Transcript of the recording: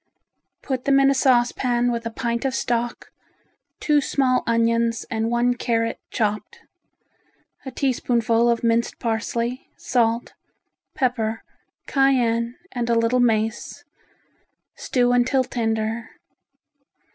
Put them in a saucepan with a pint of stock, two small onions and one carrot chopped, a teaspoonful of minced parsley, salt, pepper, cayenne, and a little mace. Stew until tender.